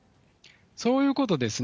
そういうことですね。